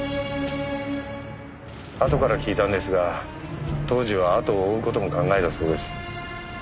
あとから聞いたんですが当時は後を追う事も考えたそうです。